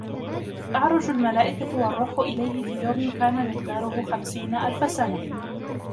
تَعْرُجُ الْمَلَائِكَةُ وَالرُّوحُ إِلَيْهِ فِي يَوْمٍ كَانَ مِقْدَارُهُ خَمْسِينَ أَلْفَ سَنَةٍ